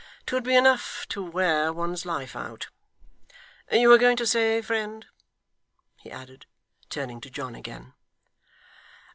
'Twould be enough to wear one's life out. You were going to say, friend ' he added, turning to John again.